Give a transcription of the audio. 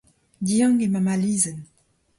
Diank eo ma malizenn.